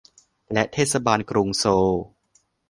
และเทศบาลกรุงโซล